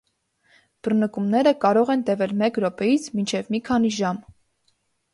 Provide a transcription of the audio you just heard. Բռնկումները կարող են տևել մեկ րոպեից մինչև մի քանի ժամ։